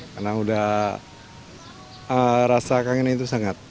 karena sudah rasa kangen itu sangat